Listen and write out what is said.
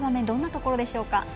どんなところでしょうか？